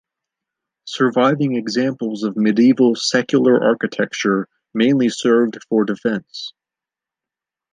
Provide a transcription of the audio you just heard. Surviving examples of medieval secular architecture mainly served for defense.